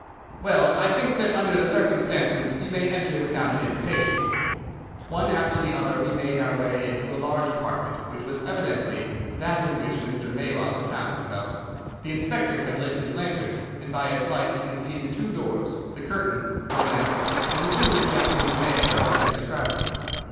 "Well, I think that under the circumstances we may enter without an invitation." One after the other we made our way into a large apartment, which was evidently that in which Mr. Melas had found himself. The inspector had lit his lantern, and by its light we could see the two doors, the curtain, the lamp, and the suit of Japanese mail as he had described them.